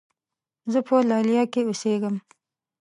زۀ په لیلیه کې اوسېږم.